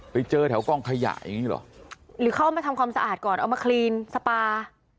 ไปเจอแถวกองขยะอย่างนี้เหรอหรือเข้ามาทำความสะอาดก่อนเอามาคลีนสปา